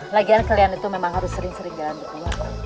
lagian kalian itu memang harus sering sering jalan di sini